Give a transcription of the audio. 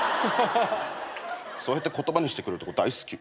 そうやって言葉にしてくれるとこ大好き。